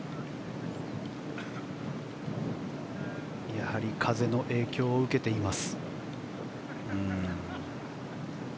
やはり風の影響を受けています。